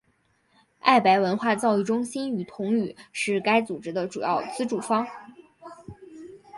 爱白文化教育中心与同语是该组织的主要资助方。